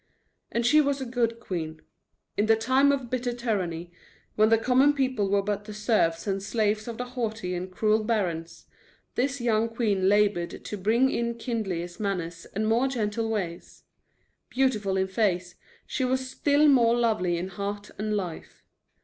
And she was a good queen. In a time of bitter tyranny, when the common people were but the serfs and slaves of the haughty and cruel barons, this young queen labored to bring in kindlier manners and more gentle ways. Beautiful in face, she was still more lovely in heart and life.